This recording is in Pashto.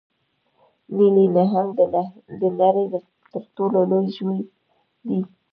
نیلي نهنګ د نړۍ تر ټولو لوی ژوی دی